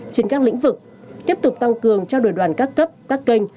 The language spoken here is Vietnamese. trên các lĩnh vực tiếp tục tăng cường trao đổi đoàn các cấp các kênh